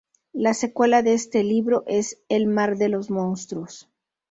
La secuela de este libro es El mar de los monstruos.